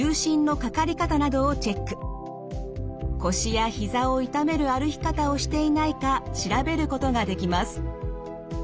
腰や膝を痛める歩き方をしていないか調べることができます。